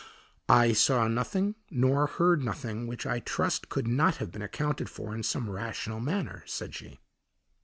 "I saw nothing nor heard nothing which I trust could not have been accounted for in some rational manner," said she.